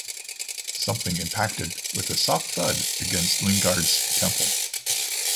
Something impacted with a soft thud against Lingard's temple.